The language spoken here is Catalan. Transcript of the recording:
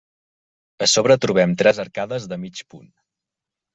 A sobre trobem tres arcades de mig punt.